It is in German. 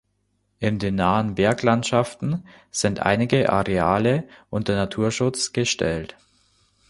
In den nahen Berglandschaften sind einige Areale unter Naturschutz gestellt.